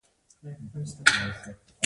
ډیری خویندي ولي میراث نه غواړي؟